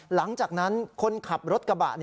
หลังจากนั้นคนขับรถกระบะ